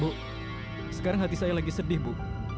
bu sekarang hati saya lagi sedih bu